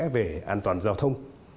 về an toàn giao thông